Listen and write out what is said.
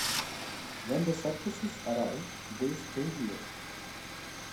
When the circuses arrive they stay here.